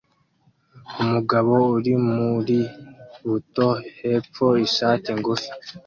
Umugabo uri muri buto hepfo ishati ngufi